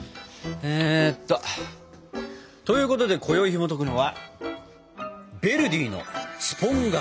えっと。ということでこよいひもとくのは「ヴェルディのスポンガータ」。